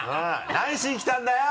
何しに来たんだよ！